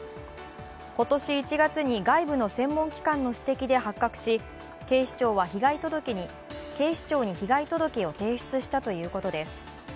今年１月に外部の専門機関の指摘で発覚し警視庁に被害届を提出したということです。